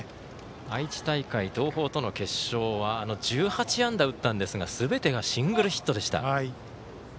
愛知大会、東邦との決勝は１８安打打ったんですがすべてがシングルヒットでした。